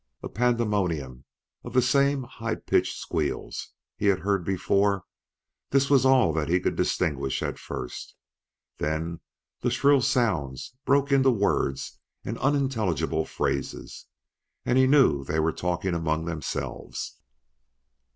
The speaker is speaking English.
A pandemonium of the same high pitched squeals, he had heard before this was all that he could distinguish at first. Then the shrill sounds broke into words and unintelligible phrases, and he knew they were talking among themselves.